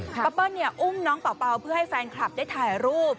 เปิ้ลอุ้มน้องเป่าเพื่อให้แฟนคลับได้ถ่ายรูป